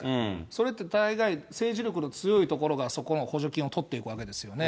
それって大概、政治力の強いところがそこの補助金を取っていくわけですよね。